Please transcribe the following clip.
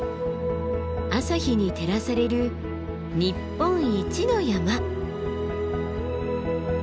朝日に照らされる日本一の山。